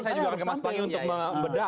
saya juga akan kemas panggung untuk membedah